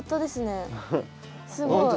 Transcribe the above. すごい。